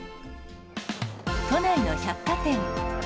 都内の百貨店。